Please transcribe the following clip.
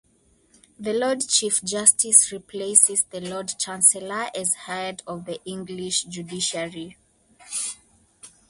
The Lord Chief Justice replaces the Lord Chancellor as head of the English judiciary.